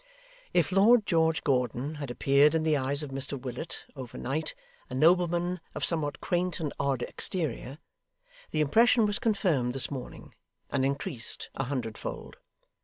If Lord George Gordon had appeared in the eyes of Mr Willet, overnight, a nobleman of somewhat quaint and odd exterior, the impression was confirmed this morning, and increased a hundredfold.